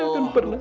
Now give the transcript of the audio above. tidak akan pernah